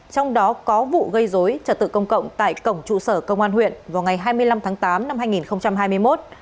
trong đó có vụ gây dối trật tự công cộng tại cổng trụ sở công an huyện vào ngày hai mươi năm tháng tám năm hai nghìn hai mươi một